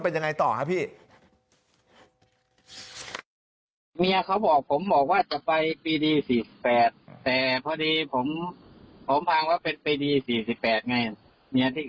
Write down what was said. พอดีผมถามว่าเป็นปีดี๔๘ไง